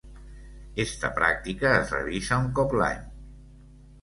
Esta pràctica es revisa un cop l"any.